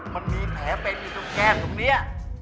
มันมีแผลเป็นอยู่ตรงแก้มตรงนี้